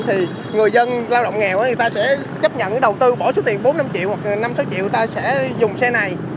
thì người dân lao động nghèo thì người ta sẽ chấp nhận đầu tư bỏ số tiền bốn năm triệu hoặc năm sáu triệu người ta sẽ dùng xe này